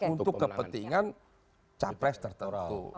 untuk kepentingan capres tertentu